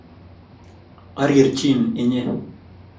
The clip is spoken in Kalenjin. arirjin inye